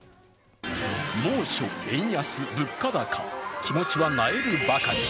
猛暑、円安、物価高、気持ちはなえるばかり。